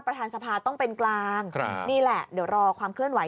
ประธานสภาต้องเป็นกลางนี่แหละเดี๋ยวรอความเคลื่อนไห